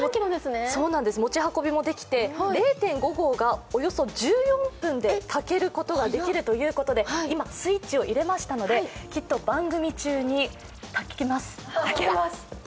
持ち運びもできて、０．５合がおよそ１４分で炊くことができるということで今、スイッチを入れましたので、きっと番組中に炊けます。